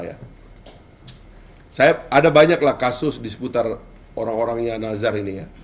ada banyaklah kasus di seputar orang orangnya nazar ini